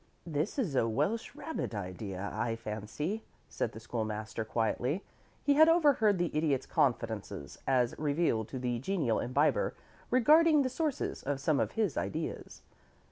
"This is a Welsh rabbit idea, I fancy," said the School master, quietly. He had overheard the Idiot's confidences, as revealed to the genial Imbiber, regarding the sources of some of his ideas.